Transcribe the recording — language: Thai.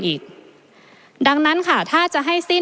ประเทศอื่นซื้อในราคาประเทศอื่น